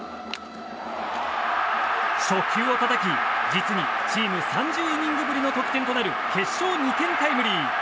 初球をたたき実にチーム３０イニングぶりの得点となる決勝２点タイムリー。